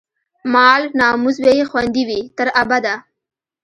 مال، ناموس به يې خوندي وي، تر ابده